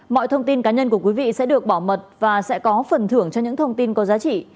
mọi thông tin cá nhân của quý vị sẽ được bảo mật và sẽ có phần thưởng cho những thông tin có giá trị